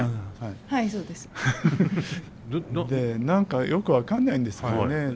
何かよく分かんないんですけどね